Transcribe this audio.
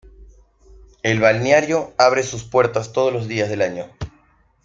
El balneario abre sus puertas todos los días del año.